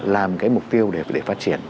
làm cái mục tiêu để phát triển